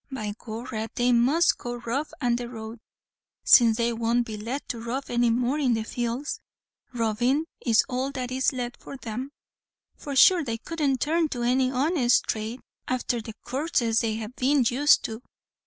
By gorra they must go rob an the road, since they won't be let to rob any more in the fields; robbin' is all that is left for them, for sure they couldn't turn to any honest thrade afther the coorses they have been used to.